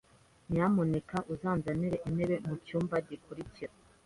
Nyamuneka uzanzanire intebe mucyumba gikurikira.